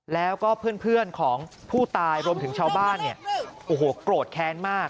แล้วก็เพื่อนของผู้ตายรวมถึงชาวบ้านเนี่ยโอ้โหโกรธแค้นมาก